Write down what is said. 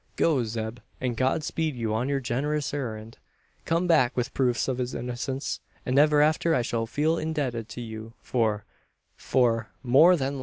"Go, Zeb, and God speed you on your generous errand! Come back with proofs of his innocence, and ever after I shall feel indebted to you for for more than life!"